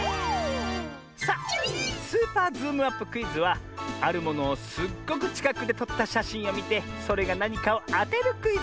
さあ「スーパーズームアップクイズ」はあるものをすっごくちかくでとったしゃしんをみてそれがなにかをあてるクイズ！